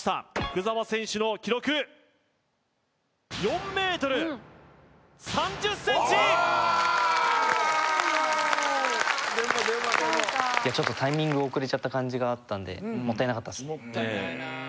福澤選手の記録でもでもでもいやちょっとタイミング遅れちゃった感じがあったんでもったいなかったですねええ